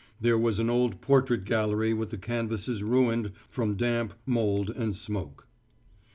There was an old portrait gallery with the canvases ruined from damp, mould, and smoke.